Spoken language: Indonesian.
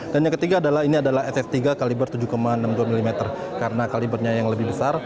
dan yang ketiga adalah ss tiga kaliber tujuh enam puluh dua mm karena kalibernya yang lebih besar